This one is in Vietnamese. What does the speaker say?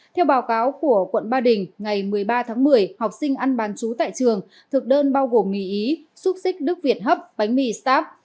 theo báo cáo của quận ba đình ngày một mươi ba tháng một mươi học sinh ăn bán chú tại trường thực đơn bao gồm mì ý xúc xích đức việt hấp bánh mì start